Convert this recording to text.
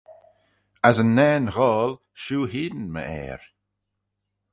As yn nane ghoal shiu hene my Ayr.